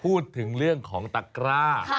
พูดถึงเรื่องของตะกร้า